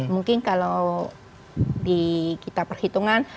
mungkin kalau kita perhitungan